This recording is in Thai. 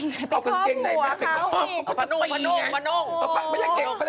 จะเอากางเกงไหนไปคอบว่าของเธ๋าอีก